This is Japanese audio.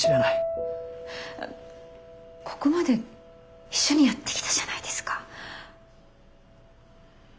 ここまで一緒にやってきたじゃないですか。